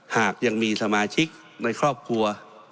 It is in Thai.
หากยังมีสมาชิกในครอบครัว